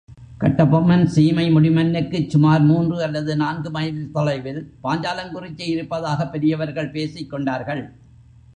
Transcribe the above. கட்டபொம்மன் சீமை முடிமன்னுக்குச் சுமார் மூன்று அல்லது நான்கு மைல் தொலைவில் பாஞ்சாலங்குறிச்சி இருப்பதாகப் பெரியவர்கள் பேசிக் கொண்டார்கள்.